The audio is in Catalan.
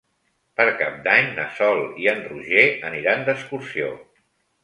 Per Cap d'Any na Sol i en Roger aniran d'excursió.